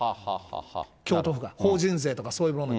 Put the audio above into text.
京都府が、法人税とかそういうものに。